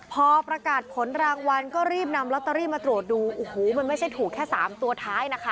พอประกาศผลรางวัลก็รีบนำลอตเตอรี่มาตรวจดูโอ้โหมันไม่ใช่ถูกแค่สามตัวท้ายนะคะ